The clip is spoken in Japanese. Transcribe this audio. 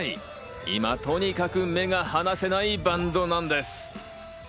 今、とにかく目が離せないバンドなんです。